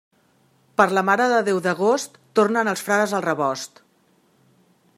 Per la Mare de Déu d'agost, tornen els frares al rebost.